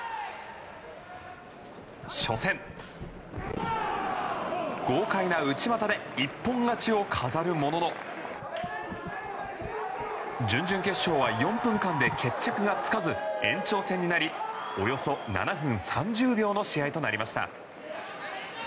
初戦、豪快な内股で一本勝ちを飾るものの準々決勝は４分間で決着がつかず延長戦になりおよそ７分３０秒の試合となりました。